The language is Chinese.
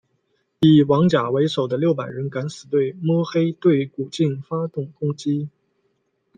以王甲为首的六百人敢死队摸黑对古晋发动攻击。